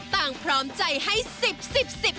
ตั้งพร้อมใจให้สิบสิบสิบ